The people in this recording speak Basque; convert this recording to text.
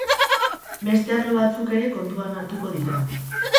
Beste arlo batzuk ere kontuan hartuko dira.